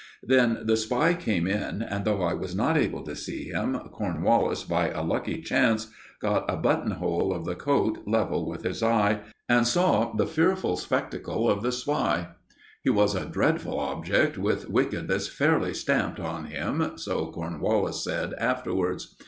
Then the spy came in, and though I was not able to see him, Cornwallis, by a lucky chance, got a buttonhole of the coat level with his eye, and saw the fearful spectacle of the spy. He was a dreadful object, with wickedness fairly stamped on him, so Cornwallis said afterwards.